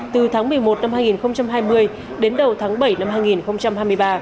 từ tháng một mươi một năm hai nghìn hai mươi đến đầu tháng bảy năm hai nghìn hai mươi ba